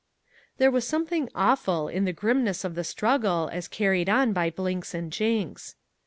There was something awful in the grimness of the struggle as carried on by Blinks and Jinks.